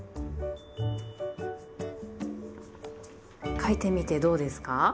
書いてみてどうですか？